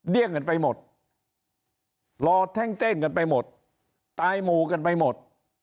กันไปหมดรอแท่งเต้งกันไปหมดตายหมู่กันไปหมด